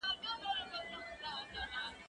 هغه وويل چي پوښتنه مهمه ده!.